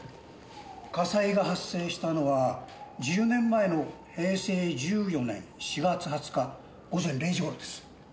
火災が発生したのは１０年前の平成１４年４月２０日午前０時頃です。